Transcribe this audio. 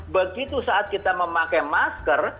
begitu saat kita memakai masker